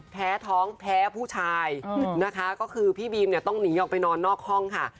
แพ้ท้องแพ้ผู้ชายนะคะก็คือพี่บีมเนี่ยต้องหนีออกไปนอนนอกห้องค่ะ